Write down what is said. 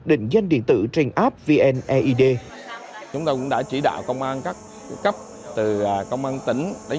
định danh điện tử trên app vneid chúng tôi cũng đã chỉ đạo công an các cấp từ công an tỉnh đến